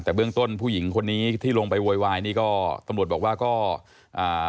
แต่เบื้องต้นผู้หญิงคนนี้ที่ลงไปโวยวายนี่ก็ตำรวจบอกว่าก็อ่า